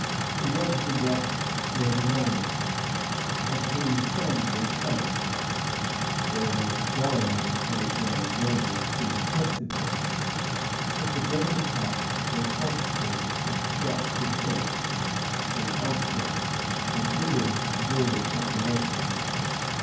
Towards the west were the Irish, of whom some were Celts, always quarrelling with their German neighbors, who detested them; but the greater part were Protestants of Scotch descent, from Ulster; a vigorous border population.